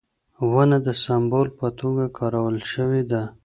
ونه د سمبول په توګه کارول شوې ده.